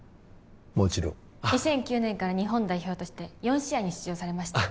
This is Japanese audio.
もちろん２００９年から日本代表として４試合に出場されました